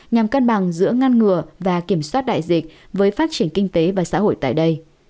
nhằm cân bằng giữa ngăn ngừa và kiểm soát đại dịch với phát triển kinh tế và xã hội tại đây